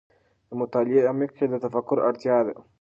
د مطالعې عمق کې د تفکر اړتیا ده.